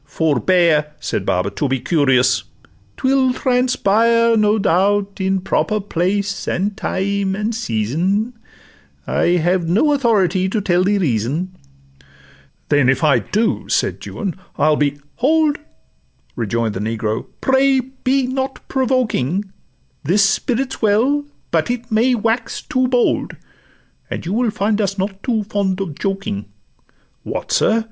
'—'Forbear,' Said Baba, 'to be curious; 'twill transpire, No doubt, in proper place, and time, and season: I have no authority to tell the reason.' 'Then if I do,' said Juan, 'I'll be '—'Hold!' Rejoin'd the negro, 'pray be not provoking; This spirit 's well, but it may wax too bold, And you will find us not top fond of joking.' 'What, sir!